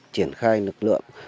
triển khai lực lượng